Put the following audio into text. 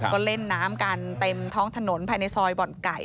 ก็เล่นน้ำกันเต็มท้องถนนภายในซอยบ่อนไก่